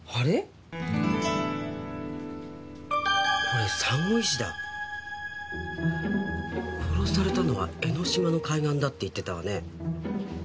これサンゴ石だ殺されたのは江の島の海岸だって言ってたわね